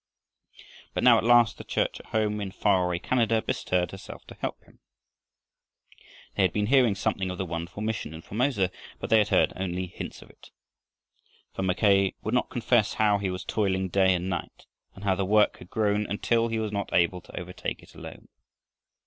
But now at last the Church at home, in far away Canada, bestirred herself to help him. They had been hearing something of the wonderful mission in Formosa, but they had heard only hints of it, for Mackay would not confess how he was toiling day and night and how the work had grown until he was not able to overtake it alone.